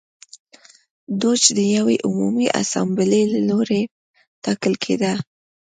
دوج د یوې عمومي اسامبلې له لوري ټاکل کېده.